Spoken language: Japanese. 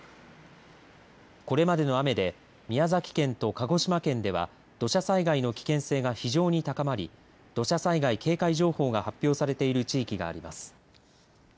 これまでの雨で宮崎県と鹿児島県では土砂災害の危険性が非常に高まり土砂災害警戒情報が発表されている地域があります。